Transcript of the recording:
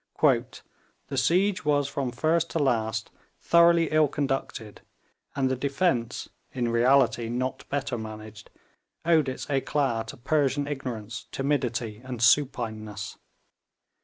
'The siege was from first to last thoroughly ill conducted, and the defence, in reality not better managed, owed its éclat to Persian ignorance, timidity and supineness.